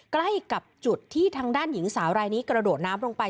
ใกล้กับจุดที่ทางด้านหญิงสาวรายนี้กระโดดน้ำลงไป